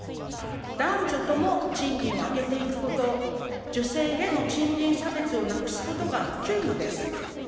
男女とも賃金を上げていくこと、女性への賃金差別をなくすことが急務です。